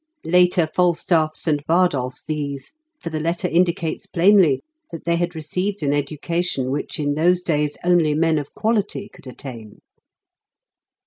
Later Falstaffs and Bardolphs these, for the letter indicates plainly that they had received an education which in those days only " men of quality " could attain.